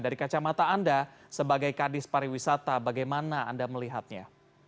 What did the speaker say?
dari kacamata anda sebagai kandis periwisata bagaimana anda melihatnya